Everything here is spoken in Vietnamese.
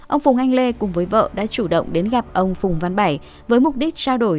ông phùng anh lê cùng với vợ đã chủ động đến gặp ông phùng văn bảy với mục đích trao đổi